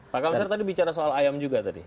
pak kamsar tadi bicara soal ayam juga tadi